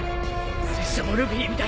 拙者もルフィみたいに！